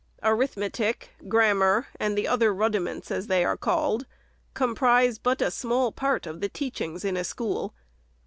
Arithmetic, grammar, and the other rudiments, as they are called, comprise but a small part of the teachings in a school.